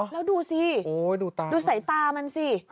แล้วดูสิดูสายตามันสิ